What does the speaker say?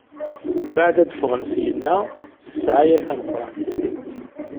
Mbeɛd ad d-ffɣen syenna s ssɛaya tameqrant.